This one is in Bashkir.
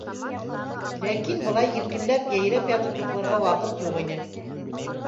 Ләкин былай иркенләп, йәйрәп ятып йоҡларға ваҡыт юҡ ине.